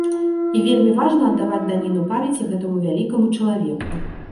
І вельмі важна аддаваць даніну памяці гэтаму вялікаму чалавеку.